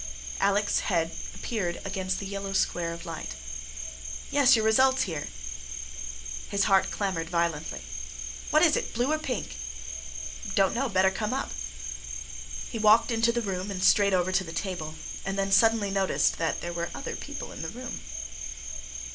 Alec's head appeared against the yellow square of light. "Yes, your result's here." His heart clamored violently. "What is it, blue or pink?" "Don't know. Better come up." He walked into the room and straight over to the table, and then suddenly noticed that there were other people in the room.